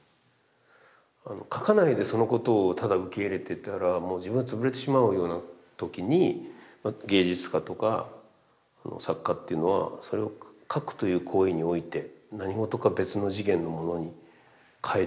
描かないでそのことをただ受け入れていたらもう自分が潰れてしまうようなときに芸術家とか作家っていうのはそれを描くという行為において何事か別の次元のものに変えている。